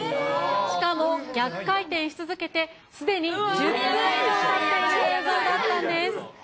しかも逆回転し続けて、すでに１０分以上たっている映像だったんです。